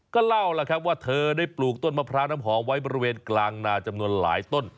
ก็เล่าแล้วครับว่าเธอได้ปลูกต้นมะพร้าวน้ำหอมไว้บริเวณกลางนาจำนวนหลายต้น